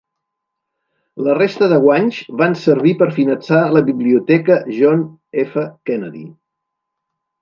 La resta de guanys van servir per finançar la biblioteca John F. Kennedy.